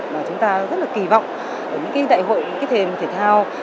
và chúng ta rất là kỳ vọng những cái đại hội những thềm thể thao